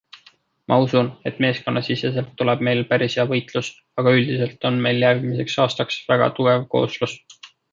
Ma usun, et meeskonnasiseselt tuleb meil päris hea võitlus, aga üldiselt on meil järgmiseks aastaks väga tugev kooslus.